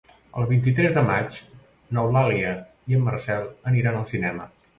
El vint-i-tres de maig n'Eulàlia i en Marcel aniran al cinema.